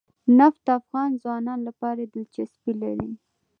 نفت د افغان ځوانانو لپاره دلچسپي لري.